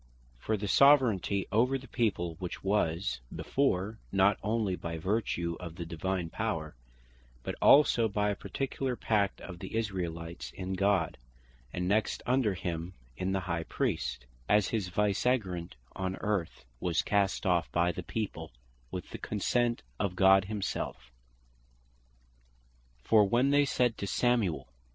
For the Soveraignty over the people, which was before, not onely by vertue of the Divine Power, but also by a particular pact of the Israelites in God, and next under him, in the High Priest, as his Viceregent on earth, was cast off by the People, with the consent of God himselfe. For when they said to Samuel (1 Sam.